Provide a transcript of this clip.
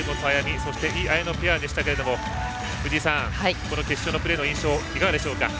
そして、井絢乃ペアでしたけどもこの決勝でのプレーの印象いかがでしょうか？